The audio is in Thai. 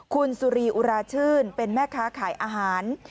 คุณสุรีอุราชื่นเป็นแม่ค้าขายอาหาร